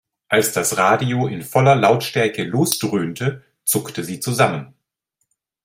Als das Radio in voller Lautstärke losdröhnte, zuckte sie zusammen.